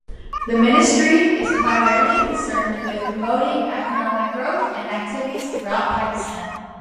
The ministry is primarily concerned with promoting economic growth and activities throughout Pakistan.